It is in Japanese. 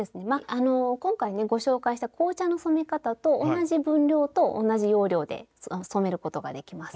あの今回ねご紹介した紅茶の染め方と同じ分量と同じ要領で染めることができます。